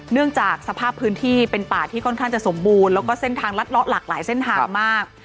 เนื่องจากสภาพพื้นที่เป็นป่าที่ค่อนข้างจะสมบูรณ์แล้วก็เส้นทางลัดเลาะหลากหลายเส้นทางมาก